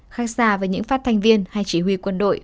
khác xa với những phát thanh viên hay chỉ huy quân đội